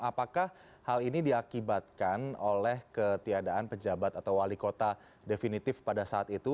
apakah hal ini diakibatkan oleh ketiadaan pejabat atau wali kota definitif pada saat itu